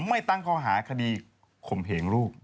ไม่ตั้งข้อหาคดีข่มเหงลูก